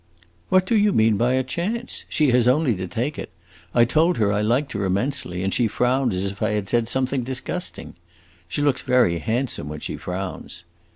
"What do you mean by a chance? She has only to take it. I told her I liked her immensely, and she frowned as if I had said something disgusting. She looks very handsome when she frowns."